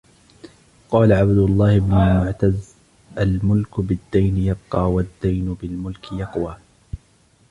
قَالَ عَبْدُ اللَّهِ بْنُ الْمُعْتَزِّ الْمُلْكُ بِالدِّينِ يَبْقَى ، وَالدِّينُ بِالْمُلْكِ يَقْوَى